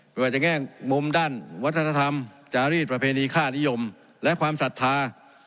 ไม่ว่าจะแง่มุมด้านวัฒนธรรมจารีสประเพณีค่านิยมและความศรัทธา